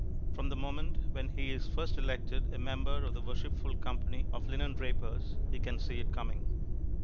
From the moment when he is first elected a member of the Worshipful Company of Linendrapers he can see it coming.